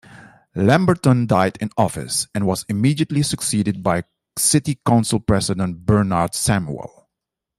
Lamberton died in office, and was immediately succeeded by City Council President Bernard Samuel.